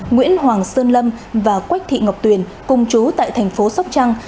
nguyễn hoàng sơn lâm và quách thị ngọc tuyền cùng chú tại thành phố sóc trăng